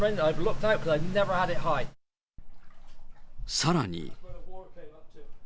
さらに。